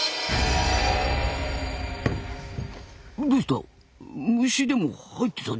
どうした？